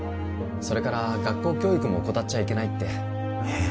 それから学校教育も怠っちゃいけないってえっ？